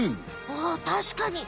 ああたしかに。